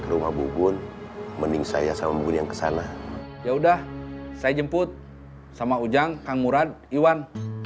rumah bubun mending saya sama bubun yang kesana ya udah saya jemput sama ujang kang murad iwan